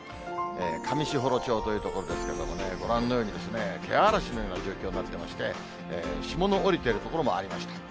上士幌町という所ですけれどもね、ご覧のように、けあらしのような状況になっていまして、霜の降りている所もありました。